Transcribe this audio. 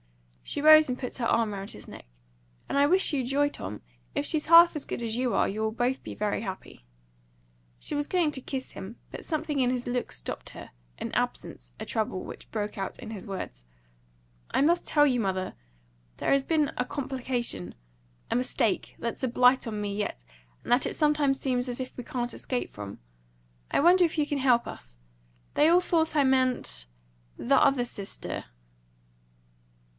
She rose, and put her arm round his neck. "And I wish you joy, Tom! If she's half as good as you are, you will both be very happy." She was going to kiss him, but something in his looks stopped her an absence, a trouble, which broke out in his words. "I must tell you, mother! There's been a complication a mistake that's a blight on me yet, and that it sometimes seems as if we couldn't escape from. I wonder if you can help us! They all thought I meant the other sister."